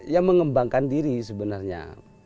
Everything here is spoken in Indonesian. ya mengembangkan diri sebenarnya